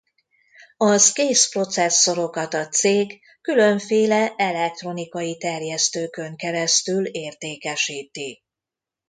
Az kész processzorokat a cég különféle elektronikai terjesztőkön keresztül értékesíti.